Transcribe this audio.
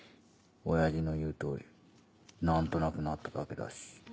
親父の言う通り何となくなっただけだし。